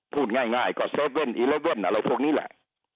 พูดง่ายก็๗๑๑อะไรพวกนี้แหละ